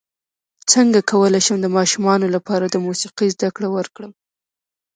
څنګه کولی شم د ماشومانو لپاره د موسیقۍ زدکړه ورکړم